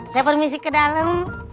saya permisi ke dalam